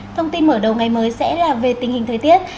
thông tin mở đầu ngày mới sẽ là về tình hình thời tiết